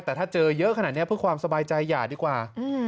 แต่ถ้าเจอเยอะขนาดนี้เพื่อความสบายใจอย่าดีกว่า